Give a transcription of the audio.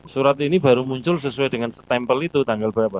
surat ini baru muncul sesuai dengan stempel itu tanggal berapa